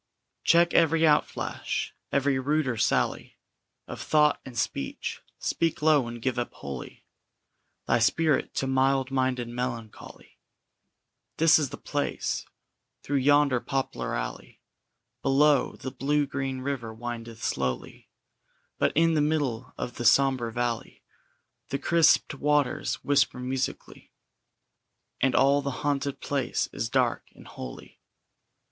] Check every outflash, every ruder sally Of thought and speech; speak low, and give up wholly Thy spirit to mild minded Melancholy; This is the place. Through yonder poplar alley Below, the blue green river windeth slowly; But in the middle of the sombre valley The crispèd waters whisper musically, And all the haunted place is dark and holy.